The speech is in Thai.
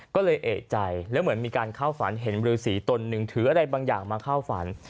ก็เลยเอกใจแล้วเหมือนมีการเข้าฝันเห็นรือสีตนหนึ่งถืออะไรบางอย่างมาเข้าฝัน